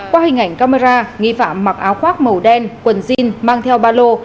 qua hình ảnh camera nghi phạm mặc áo khoác màu đen quần jean mang theo ba lô